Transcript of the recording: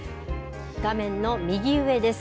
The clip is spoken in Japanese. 画面の右上です。